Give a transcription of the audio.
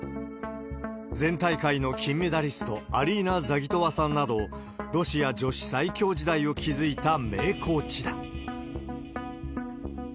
前大会の金メダリスト、アリーナ・ザギトワさんなど、ロシア女子最強時代を築いた名コーチだ。